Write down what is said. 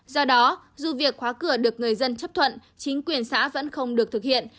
do đó dù việc khóa cửa được người dân chấp thuận chính quyền xã vẫn không được thực hiện